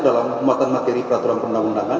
dalam penguatan materi peraturan perundang undangan